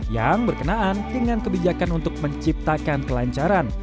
yang berkenaan dengan kebijakan untuk menciptakan kelancaran